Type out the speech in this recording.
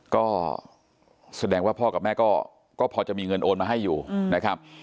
ก็แสดงว่าพ่อกับแม่ก็พอจะมีเงินโอนมาให้อยู่นะครับ